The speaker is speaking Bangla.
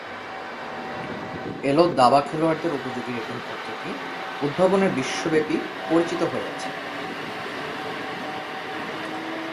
এলো দাবা খেলোয়াড়দের উপযোগী রেটিং পদ্ধতি উদ্ভাবনের বিশ্বব্যাপী পরিচিত হয়ে আছেন।